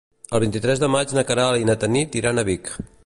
El vint-i-tres de maig na Queralt i na Tanit iran a Vic.